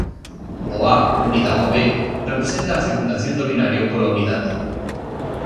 O A unida ó B representa a fecundación do binario pola unidade.